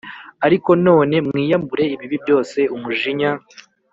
Ariko none mwiyambure ibi byose umujinya